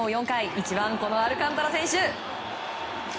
４回１番のアルカンタラ選手。